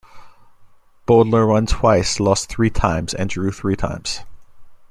Bowdler won twice, lost three times, and drew three times.